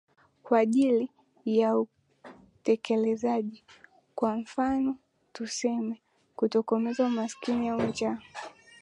kwa ajili ya utekelezaji kwa mfano tuseme kutokomeza umaskini au njaa